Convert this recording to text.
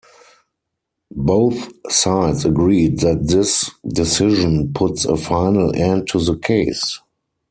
Both sides agreed that this decision puts a final end to the case.